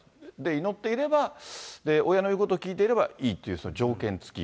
祈っていれば、親の言うことを聞いていればいいという条件付き。